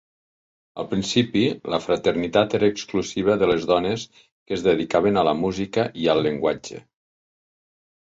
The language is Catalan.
Al principi, la fraternitat era exclusiva de les dones que es dedicaven a la música i el llenguatge.